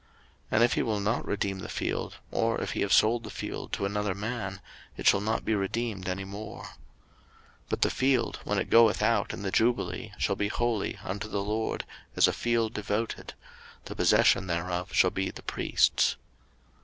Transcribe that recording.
03:027:020 And if he will not redeem the field, or if he have sold the field to another man, it shall not be redeemed any more. 03:027:021 But the field, when it goeth out in the jubile, shall be holy unto the LORD, as a field devoted; the possession thereof shall be the priest's.